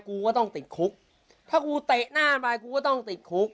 กูก็ต้องติดคุกถ้ากูเตะหน้าไปกูก็ต้องติดคุก